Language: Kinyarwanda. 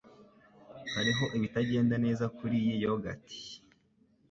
Hariho ibitagenda neza kuriyi yogurt.